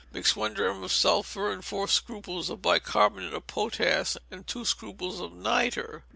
Mix one drachm of sulphur with four scruples of bicarbonate of potash, and two scruples of nitre.